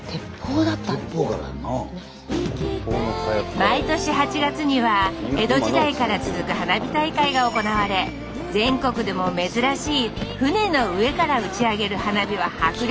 毎年８月には江戸時代から続く花火大会が行われ全国でも珍しい船の上から打ち上げる花火は迫力満点です！